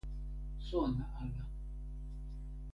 sona ala.